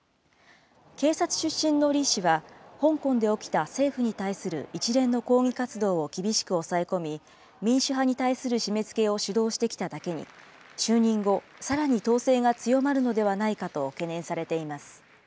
警察出身の李氏は、香港で起きた政府に対する一連の抗議活動を厳しく抑え込み、民主派に対する締めつけを主導してきただけに、就任後、さらに統制が強まるのではないかと懸念されています。